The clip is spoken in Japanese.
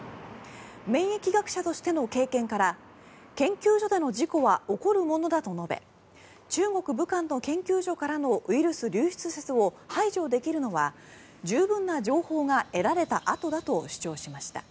免疫学者としての経験から研究所での事故は起こるものだと述べ中国・武漢の研究所からのウイルス流出説を排除できるのは十分な情報が得られたあとだと主張しました。